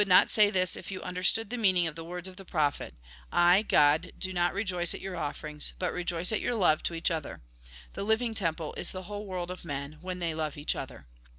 not say this if you understood the meaning of the words of the prophet : I, God, do not rejoice at your offerings, but rejoice at your love to each other. The Uving temple is the whole world of men, when they love each other."